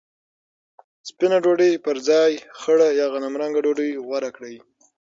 سپینه ډوډۍ پر ځای خړه یا غنمرنګه ډوډۍ غوره کړئ.